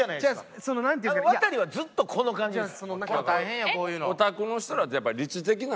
ワタリはずっとこの感じです。